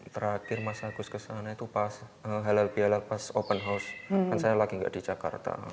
terakhir mas agus kesana itu pas halal bihala pas open house kan saya lagi nggak di jakarta